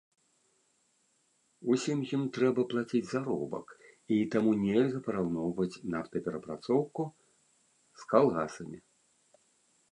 Усім ім трэба плаціць заробак, і таму нельга параўноўваць нафтаперапрацоўку з калгасамі.